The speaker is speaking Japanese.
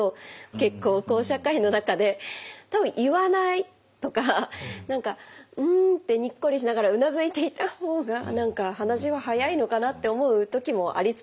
結構こう社会の中で多分言わないとか何かうんってにっこりしながらうなずいていた方が何か話は早いのかなって思う時もありつつっていう感じ。